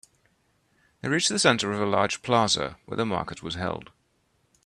They reached the center of a large plaza where the market was held.